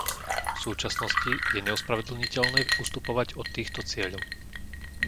V súčasnosti je neospravedlniteľné ustupovať od týchto cieľov.